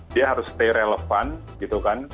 dia harus stay relevan gitu kan